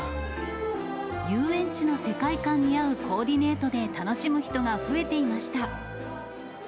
遊園地の世界観に合うコーディネートで楽しむ人が増えていました。